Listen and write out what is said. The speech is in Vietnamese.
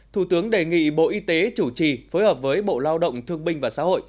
thủ tướng đề nghị bộ y tế chủ trì phối hợp với bộ lao động thương binh và xã hội